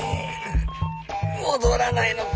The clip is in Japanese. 戻らないのか。